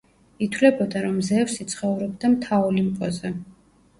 ითვლებოდა, რომ ზევსი ცხოვრობდა მთა ოლიმპოზე.